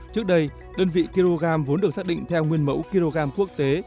trước đây đơn vị kg vốn được xác định theo nguyên mẫu kg quốc tế